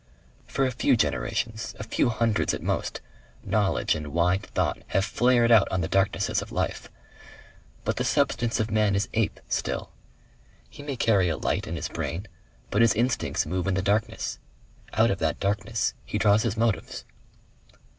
For a few generations, a few hundreds at most, knowledge and wide thought have flared out on the darknesses of life.... But the substance of man is ape still. He may carry a light in his brain, but his instincts move in the darkness. Out of that darkness he draws his motives."